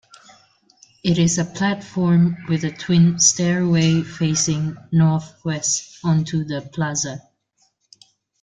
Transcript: It is a platform with a twin stairway facing northwest onto the plaza.